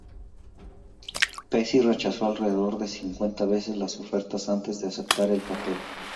Pesci rechazó alrededor de cincuenta veces las ofertas antes de aceptar el papel.